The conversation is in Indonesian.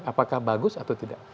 apakah bagus atau tidak